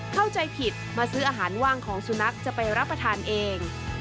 เข้าใจผิดมาซื้ออาหารว่างของสุนัขจะไปรับประทานเอง